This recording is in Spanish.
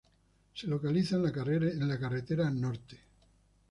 Se localiza en la Carretera Norte.